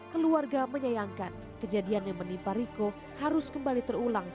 keluarga menyayangkan kejadian yang menimpa riko harus kembali terulang